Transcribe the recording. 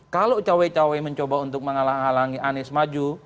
kalau cawe cawe mencoba untuk menghalangi anies maju